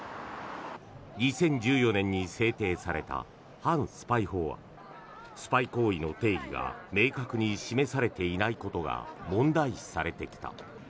２０１４年に制定された反スパイ法はスパイ行為の定義が明確に示されていないことが問題視されてきた。